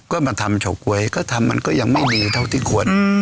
ก็มาทำเฉาก๊วยก็ทำมันก็ยังไม่ดีเท่าที่ควร